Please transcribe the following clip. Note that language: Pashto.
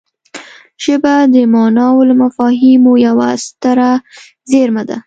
ژبه د ماناوو او مفاهیمو یوه ستره زېرمه ده